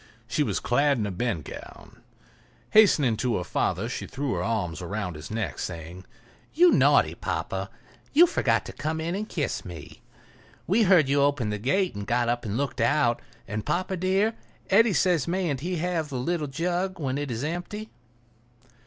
She was clad in a bedgown. Hastening to her father she threw her arms about his neck, saying: "You naughty papa, you forgot to come in and kiss me. We heard you open the gate and got up and looked out. And, papa dear, Eddy says mayn't he have the little jug when it is empty?"